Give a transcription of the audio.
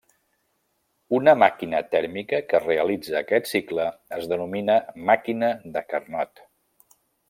Una màquina tèrmica que realitza aquest cicle es denomina màquina de Carnot.